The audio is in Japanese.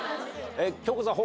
京子さん